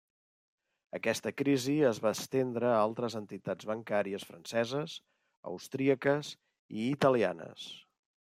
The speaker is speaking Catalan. Aquesta crisi es va estendre a altres entitats bancàries franceses, austríaques i italianes.